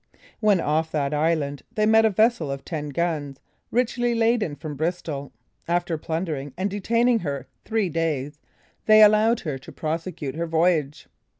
When off that island they met a vessel of ten guns, richly laden from Bristol; after plundering, and detaining her three days, they allowed her to prosecute her voyage.